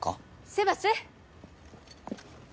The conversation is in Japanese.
セバス！